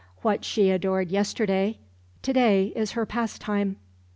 What she adored yesterday, to day is her pastime.